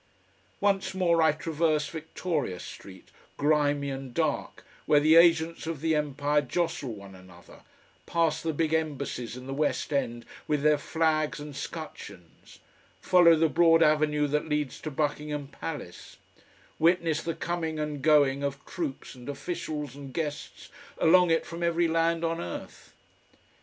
Once more I traverse Victoria Street, grimy and dark, where the Agents of the Empire jostle one another, pass the big embassies in the West End with their flags and scutcheons, follow the broad avenue that leads to Buckingham Palace, witness the coming and going of troops and officials and guests along it from every land on earth....